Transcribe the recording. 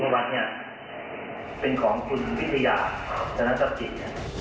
เป็นของคุณวิทยาจันทรัพย์จิต